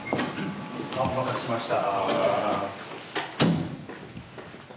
お待たせしました。